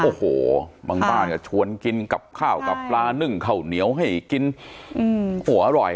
โอ้โหบางบ้านก็ชวนกินกับข้าวกับปลานึ่งข้าวเหนียวให้กินโอ้โหอร่อย